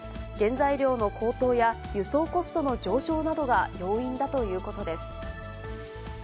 原材料の高騰や輸送コストの上昇などが要因だということです。